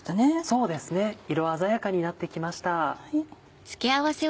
そうですね色鮮やかになってきました。